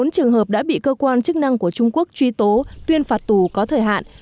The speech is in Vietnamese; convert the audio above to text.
bốn trường hợp đã bị cơ quan chức năng của trung quốc truy tố tuyên phạt tù có thời hạn